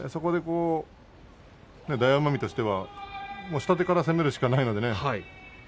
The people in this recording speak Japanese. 大奄美としては下手から攻めるしかないのでね。